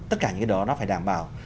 tất cả những cái đó nó phải đảm bảo